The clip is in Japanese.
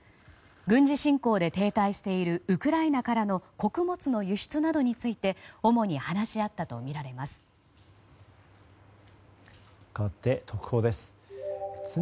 軍事侵攻で停滞しているウクライナからの穀物の輸出などについて主に話し合ったとみられます。